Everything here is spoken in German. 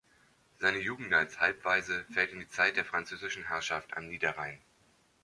Seine Jugend als Halbwaise fällt in die Zeit der französischen Herrschaft am Niederrhein.